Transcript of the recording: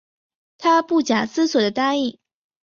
她不假思索的答应